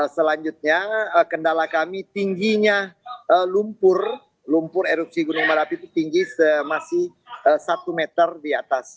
selanjutnya kendala kami tingginya lumpur lumpur erupsi gunung merapi itu tinggi semasi satu meter di atas